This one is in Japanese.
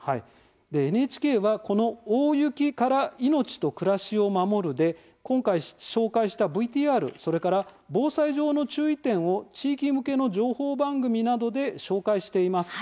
ＮＨＫは、この「大雪から命と暮らしを守る」で今回紹介したＶＴＲそれから防災上の注意点を地域向けの情報番組などで紹介しています。